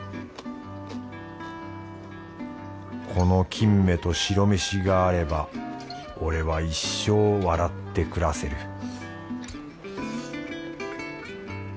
この金目と白飯があれば俺は一生笑って暮らせる